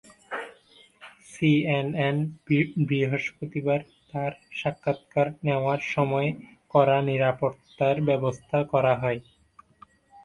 CNN বৃহস্পতিবার তার সাক্ষাৎকার নেওয়ার সময় কড়া নিরাপত্তার ব্যবস্থা করা হয়।